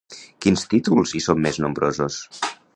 Quins títols hi són més nombrosos?